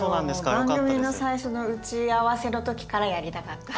番組の最初の打ち合わせの時からやりたかった。